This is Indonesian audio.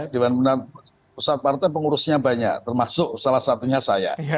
dewan pusat partai pengurusnya banyak termasuk salah satunya saya